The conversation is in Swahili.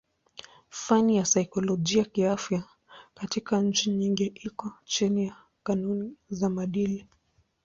Fani ya saikolojia kiafya katika nchi nyingi iko chini ya kanuni za maadili.